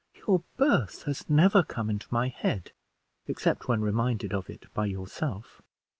"Your birth has never come into my head, except when reminded of it by yourself."